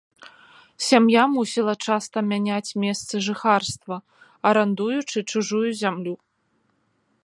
Сям'я мусіла часта мяняць месцы жыхарства, арандуючы чужую зямлю.